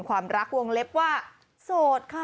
ความรักวงเล็บว่าโสดค่ะ